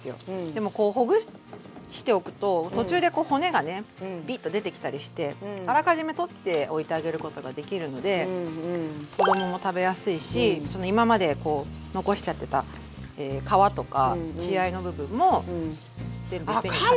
でもこうほぐしておくと途中でこう骨がねビッと出てきたりしてあらかじめ取っておいてあげることができるので子供も食べやすいし今までこう残しちゃってた皮とか血合いの部分も全部いっぺんに食べられちゃう。